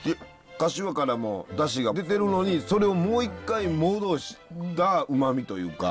かしわからも出汁が出てるのにそれをもう一回戻したうまみというか。